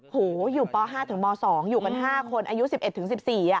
โหอยู่ป๕ถึงม๒อยู่กัน๕คนอายุ๑๑ถึง๑๔อ่ะ